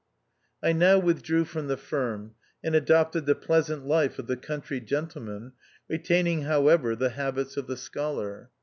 I now withdrew from the firm, and adopted the pleasant life of the country gentleman, retaining, however, the habits of the scholar.